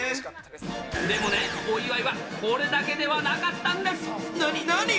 でもね、お祝いはこれだけではなかったんです。